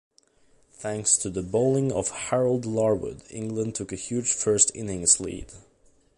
Thanks to the bowling of Harold Larwood, England took a huge first innings lead.